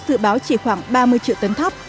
dự báo chỉ khoảng ba mươi triệu tấn thóc